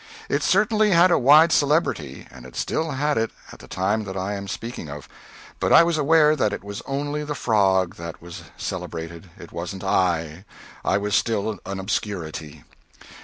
It certainly had a wide celebrity, and it still had it at the time that I am speaking of but I was aware that it was only the frog that was celebrated. It wasn't I. I was still an obscurity.